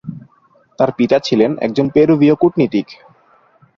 তার পিতা ছিলেন একজন পেরুভীয় কূটনীতিক।